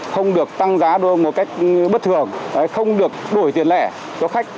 không được tăng giá đôi một cách bất thường không được đổi tiền lẻ cho khách